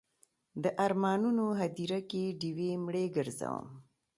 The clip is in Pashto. د ارمانونو هدیره کې ډیوې مړې ګرځوم